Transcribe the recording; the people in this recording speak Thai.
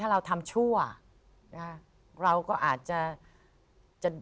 เราทำชั่วเราก็อาจจะ